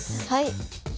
はい。